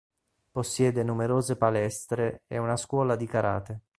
Possiede numerose palestre e una scuola di Karate.